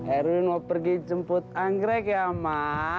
erwin mau pergi jemput anggrek ya ma